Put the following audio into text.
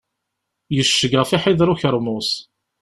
Yecceg ɣef iḥider ukermus.